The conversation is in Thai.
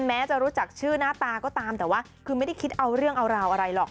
แม้จะรู้จักชื่อหน้าตาก็ตามแต่ว่าคือไม่ได้คิดเอาเรื่องเอาราวอะไรหรอก